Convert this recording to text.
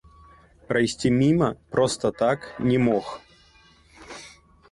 Прайсці міма, проста так, не мог!